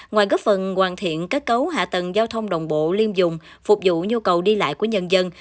ngoài góp phần hoàn thiện kết cấu hạ tầng giao thông đồng bộ liêm dùng phục vụ nhu cầu đi lại của nhân dân